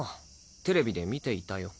テレビで観ていたよ。